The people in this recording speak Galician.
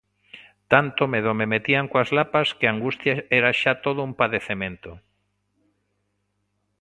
Tanto medo me metían coas lapas que a angustia era xa todo un padecemento.